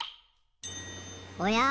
おや？